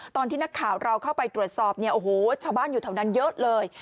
ตอนที่นักข่าวเราเข้าไปตรวจสอบเนี่ยโอ้โหชาวบ้านอยู่แถวนั้นเยอะเลย